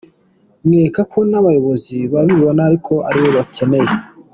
Nkeka ko n’abayobozi babibona ko ariwe bakeneye.